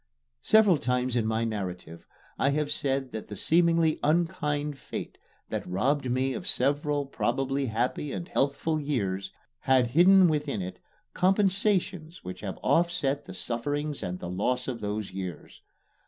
Several times in my narrative, I have said that the seemingly unkind fate that robbed me of several probably happy and healthful years had hidden within it compensations which have offset the sufferings and the loss of those years.